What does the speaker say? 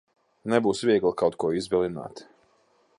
Nebūs viegli kaut ko izvilināt.